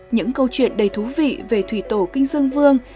những câu chuyện đầy thú vị về thủy tổ kinh dương vương